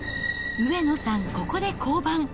上野さん、ここで降板。